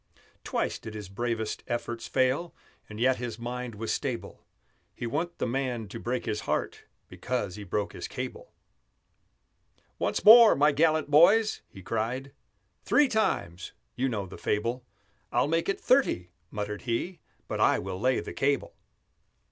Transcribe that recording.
Twice did his bravest efforts fail, And yet his mind was stable; He wa'n't the man to break his heart Because he broke his cable. "Once more, my gallant boys!" he cried; "Three times! you know the fable (I'll make it thirty," muttered he, "But I will lay the cable!").